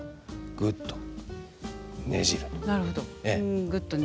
ぐっとねじる。